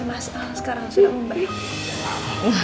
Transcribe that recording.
mas al sekarang sudah mau berjuang